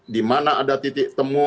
di mana ada titik temu